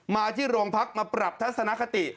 มาที่โรงพักมาปรับทัศนคติ